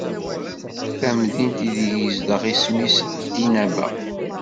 Tamdint ideg izdeɣ isem-is Dinaba.